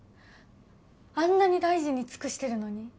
あんなに大臣に尽くしてるのに。